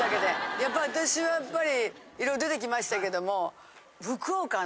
やっぱり私はやっぱり色々出てきましたけども。